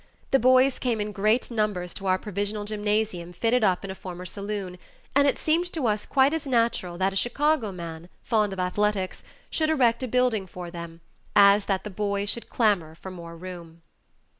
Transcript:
The boys came in great numbers to our provisional gymnasium fitted up in a former saloon, and it seemed to us quite as natural that a Chicago man, fond of athletics, should erect a building for them, as that the boys should clamor for more room.